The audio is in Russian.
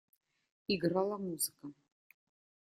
Играла музыка.